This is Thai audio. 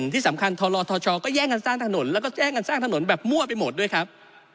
ที่สำคัญทรทชก็แย่งกันสร้างถนนแล้วก็แจ้งกันสร้างถนนแบบมั่วไปหมดด้วยครับ